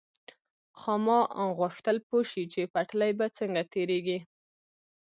خاما غوښتل پوه شي چې پټلۍ به څنګه تېرېږي.